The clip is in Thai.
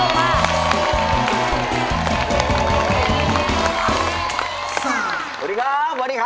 มาดูค่ะ